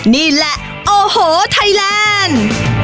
นี่แหละโอ้โหไทยแลนด์